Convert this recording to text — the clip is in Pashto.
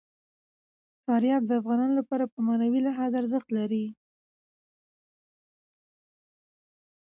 فاریاب د افغانانو لپاره په معنوي لحاظ ارزښت لري.